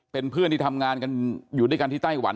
เป็นเพื่อนที่ทำงานกันอยู่ด้วยกันที่ไต้หวัน